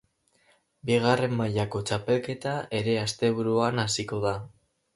Bigarren mailako txapelketa ere asteburuan hasiko da.